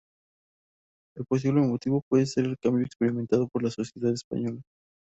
Un posible motivo puede ser el cambio experimentado por la sociedad española.